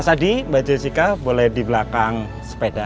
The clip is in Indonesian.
mas adi mbak jessica boleh di belakang sepeda